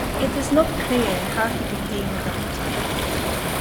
It is not clear how he became a doctor.